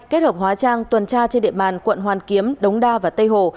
kết hợp hóa trang tuần tra trên địa bàn quận hoàn kiếm đống đa và tây hồ